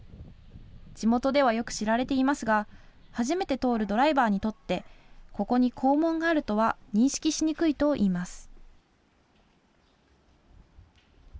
地元ではよく知られていますが初めて通るドライバーにとってここに校門があるとは認識しにくいといいます。